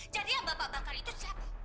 jadi yang bapak bakar itu siapa